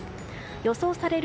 予想される